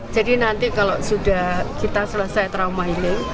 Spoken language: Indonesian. jadi nanti kalau sudah kita selesai